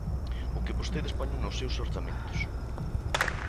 O que vostedes poñen nos seus orzamentos.